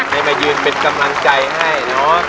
ให้มายืนเป็นกำลังใจให้เนอะ